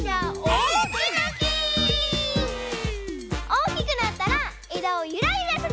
おおきくなったらえだをゆらゆらさせるよ。